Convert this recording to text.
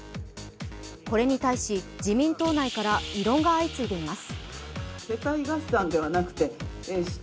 これに対し、自民党内から異論が相次いでいます。